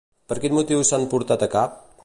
Per quin motiu s'han portat a cap?